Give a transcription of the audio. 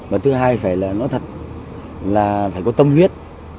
và thứ hai là phải có tâm huyết